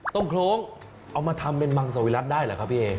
ต้มโครงเอามาทำเป็นมันสวิลัสได้เหรอครับพี่เอ